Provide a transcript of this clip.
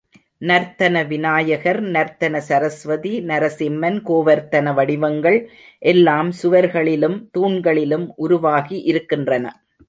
நர்த்தன விநாயகர், நர்த்தன சரஸ்வதி, நரசிம்மன், கோவர்த்தன வடிவங்கள் எல்லாம் சுவர்களிலும் தூண்களிலும் உருவாகி இருக்கின்றன.